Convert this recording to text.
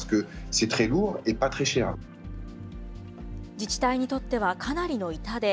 自治体にとってはかなりの痛手。